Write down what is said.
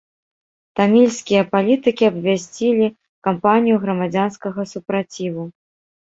Тамільскія палітыкі абвясцілі кампанію грамадзянскага супраціву.